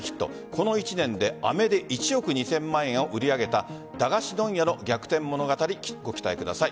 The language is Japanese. この１年で、飴で１億２０００万円を売り上げた駄菓子問屋の逆転物語ご期待ください。